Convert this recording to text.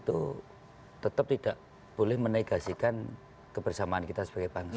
itu tetap tidak boleh menegasikan kebersamaan kita sebagai bangsa